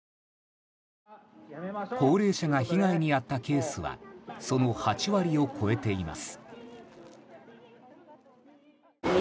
高齢者が被害に遭ったケースはその８割を超えています。